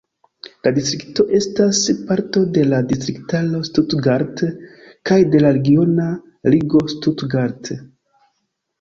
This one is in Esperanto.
La distrikto estas parto de la distriktaro Stuttgart kaj de la regiona ligo Stuttgart.